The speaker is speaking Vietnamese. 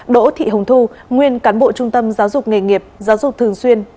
đỗ thị hồng thu nguyên cán bộ trung tâm giáo dục nghề nghiệp giáo dục thường xuyên